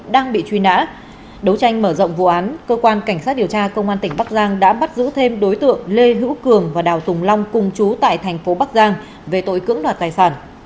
đang bị truy nã đấu tranh mở rộng vụ án cơ quan cảnh sát điều tra công an tỉnh bắc giang đã bắt giữ thêm đối tượng lê hữu cường và đào tùng long cùng chú tại thành phố bắc giang về tội cưỡng đoạt tài sản